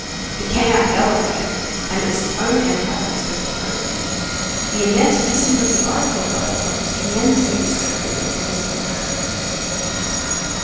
It came out the other way, and it was his own empire that was overthrown. The immense wisdom of the oracle, however, was tremendously respected in consequence!